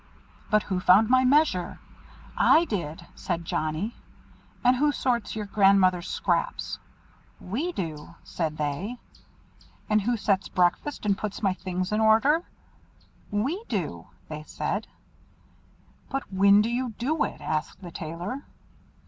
"But who found my measure?" "I did," said Johnnie. "And who sorts your grandmother's scraps?" "We do," said they. "And who sets breakfast, and puts my things in order?" "We do," said they. "But when do you do it?" asked the Tailor.